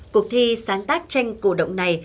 cuộc thi sáng tác tranh cổ động này